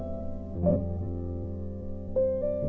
うん。